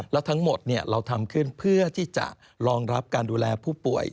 และทั้งหมดเราทำขึ้นเพื่อที่จะรองรับการดูแลผู้ป่วย